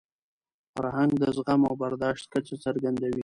فرهنګ د زغم او برداشت کچه څرګندوي.